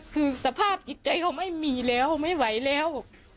คือสภาพจิตใจเขาไม่มีแล้วไม่ไหวแล้ว